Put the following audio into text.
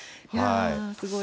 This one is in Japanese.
すごい。